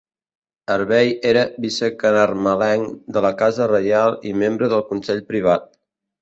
Hervey era vice-camarlenc de la casa reial i membre del Consell Privat.